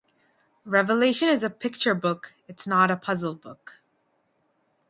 Revelation is a picture book; it's not a puzzle book.